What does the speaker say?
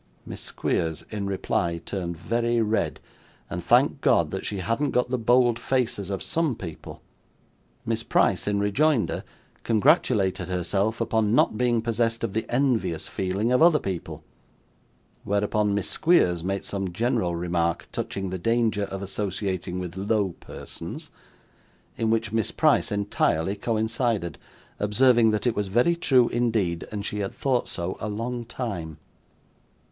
Miss Squeers, in reply, turned very red, and thanked God that she hadn't got the bold faces of some people. Miss Price, in rejoinder, congratulated herself upon not being possessed of the envious feeling of other people; whereupon Miss Squeers made some general remark touching the danger of associating with low persons; in which Miss Price entirely coincided: observing that it was very true indeed, and she had thought so a long time.